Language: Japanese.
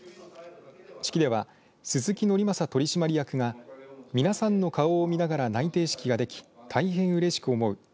式では鈴木規正取締役が皆さんの顔を見ながら内定式ができ大変うれしく思う。